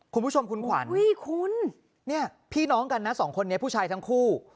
คุณผู้ชมคุณขวัญพี่น้องกันนะสองคนเนี่ยผู้ชายทั้งคู่